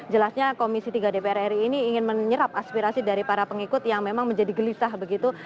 jelasnya komisi tiga dpr ri ini ingin menyerap aspirasi dari para pengikut yang memang menjadi gelisah begitu